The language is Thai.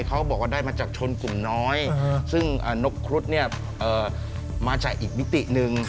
เขาบอกว่าได้มาจากชนกลุ่มน้อยซึ่งนกครุฑเนี่ยมาจากอีกมิติหนึ่ง